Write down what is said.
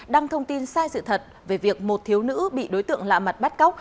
đăng thông tin sai sự thật về việc một thiếu nữ bị đối tượng lạ mặt bắt cóc